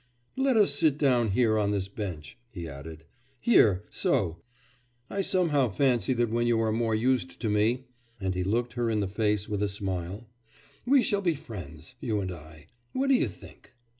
'Let us sit down. Here on this bench,' he added. 'Here so. I somehow fancy that when you are more used to me (and he looked her in the face with a smile) 'we shall be friends, you and I. What do you think?